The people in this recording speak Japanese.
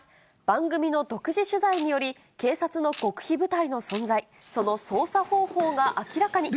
番組の独自取材により、警察の極秘部隊の存在、その捜査方法が明らかに。